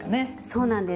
そうなんです。